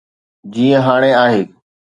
جيئن هاڻي آهي.